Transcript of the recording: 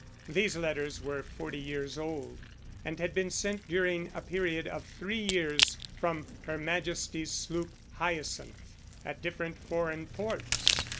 These letters were forty years old, and had been sent during a period of three years from "Her Majesty's sloop Hyacinth" at different foreign ports.